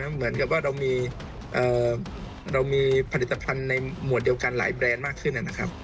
เหมือนกับว่าเรามีผลิตภัณฑ์ในหมวดเดียวกันหลายแบรนด์มากขึ้นนะครับ